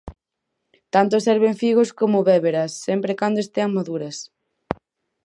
Tanto serven figos como béveras, sempre e cando estean maduras.